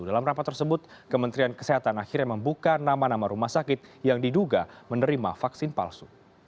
dalam rapat tersebut kementerian kesehatan akhirnya membuka nama nama rumah sakit yang diduga menerima vaksin palsu